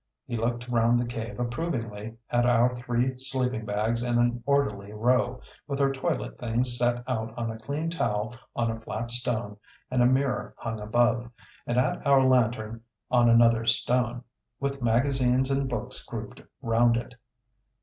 He looked round the cave approvingly at our three sleeping bags in an orderly row, with our toilet things set out on a clean towel on a flat stone and a mirror hung above, and at our lantern on another stone, with magazines and books grouped round it.